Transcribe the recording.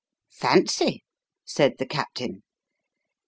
' Fancy," said the captain.